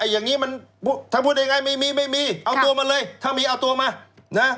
อย่างนี้มันถ้าพูดง่ายไม่มีไม่มีเอาตัวมาเลยถ้ามีเอาตัวมานะ